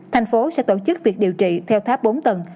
thành phố sẽ tổ chức việc điều trị theo tháp bốn tầng